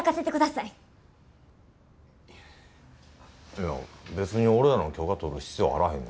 いや別に俺らの許可取る必要あらへんね。